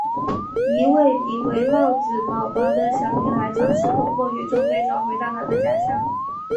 一位名为帽子宝宝的小女孩尝试通过宇宙飞船回到她的家乡。